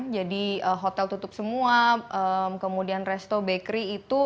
jadi hotel tutup semua kemudian resto bakery itu